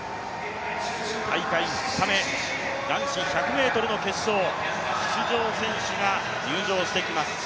大会２日目、男子１００ｍの決勝、出場選手が入場してきます。